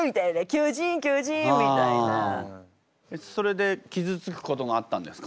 それで傷つくことがあったんですか？